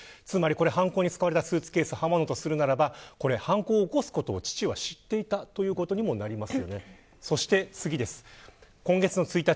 犯行に使われたスーツケースと刃物ということであれば犯行を起こすことを、父が知っていたということになります。